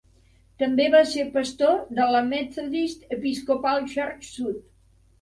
També va ser pastor de la Methodist Episcopal Church South.